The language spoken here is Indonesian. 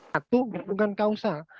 satu berhubungan kausa